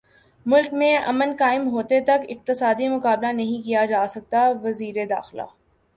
ملک میں امن قائم ہونےتک اقتصادی مقابلہ نہیں کیاجاسکتاوزیرداخلہ